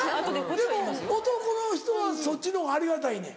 でも男の人はそっちのほうがありがたいねん。